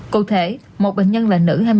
cụ thể một bệnh nhân là nữ hai mươi bốn